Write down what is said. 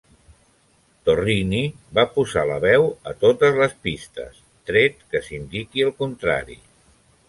Torrini va posar la veu a totes les pistes, tret que s'indiqui el contrari.